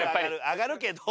上がるけど。